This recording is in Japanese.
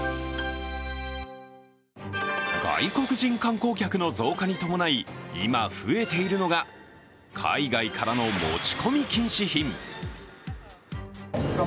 外国人観光客の増加に伴い、今増えているのが、海外からの持ち込み禁止品。